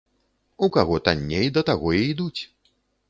У каго танней, да таго і ідуць.